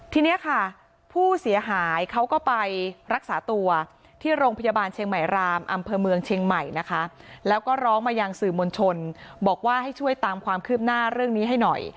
ทีนี้ค่ะผู้เสียหายเขาก็ไปรักษาตัวที่โรงพยาบาลเชียงใหม่รามอำเภอเมืองเชียงใหม่นะคะแล้วก็ร้องมายังสื่อมวลชนบอกว่าให้ช่วยตามความคืบหน้าเรื่องนี้ให้หน่อย